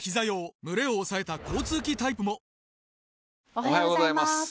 おはようございます。